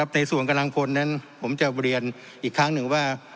ในส่วนกำลังพลนั้นผมจะเรียนอีกครั้งหนึ่งว่า